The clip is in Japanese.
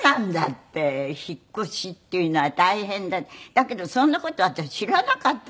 だけどそんな事私知らなかったもの。